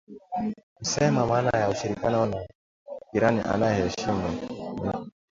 kusema maana ya ushirikiano na jirani anayeheshimu maneno na ahadi zake katika mikutano kadhaa ambayo imefanyika.